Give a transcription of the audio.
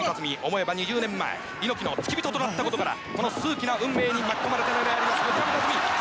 思えば２０年前猪木の付き人となったことからこの数奇な運命に巻き込まれたようであります。